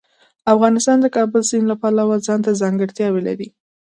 افغانستان د کابل سیند له پلوه ځانته ځانګړتیاوې لري.